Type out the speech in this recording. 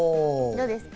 どうですか？